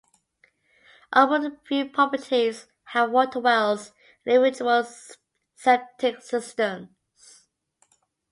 All but a few properties have water wells and individual septic systems.